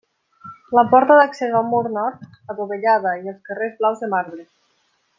La porta d'accés al mur nord, adovellada i carreus blaus de marbre.